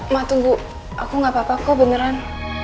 mak tunggu aku gak apa apa kok beneran